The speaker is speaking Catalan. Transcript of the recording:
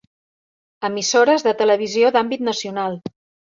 Emissores de televisió d'àmbit nacional.